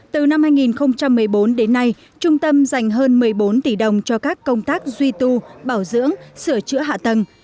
từ năm hai nghìn một mươi bốn đến nay trung tâm dành hơn một mươi bốn tỷ đồng cho các công tác duy tu bảo dưỡng sửa chữa hạ tầng